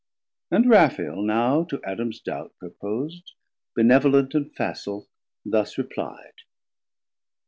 And Raphael now to Adam's doubt propos'd Benevolent and facil thus repli'd.